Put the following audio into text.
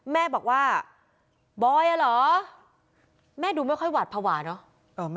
แม่บอกว่าบอยอ่ะเหรอแม่ดูไม่ค่อยหวาดภาวะเนอะ